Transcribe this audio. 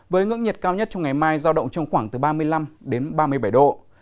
với ngưỡng nhiệt cao nhất trong ngày mai giao động trong khoảng từ ba mươi năm đến ba mươi bảy độ